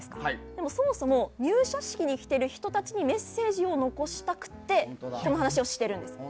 でも、そもそも入社式に来てる人たちにメッセージを残したくてこの話をしているんです。